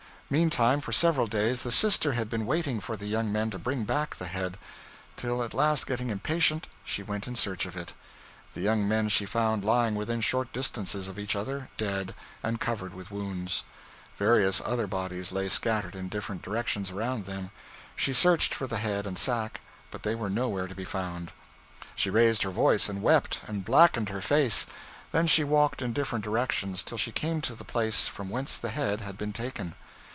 Meantime, for several days, the sister had been waiting for the young men to bring back the head; till, at last, getting impatient, she went in search of it. The young men she found lying within short distances of each other, dead, and covered with wounds. Various other bodies lay scattered in different directions around them. She searched for the head and sack, but they were nowhere to be found. She raised her voice and wept, and blackened her face. Then she walked in different directions, till she came to the place from whence the head had been taken.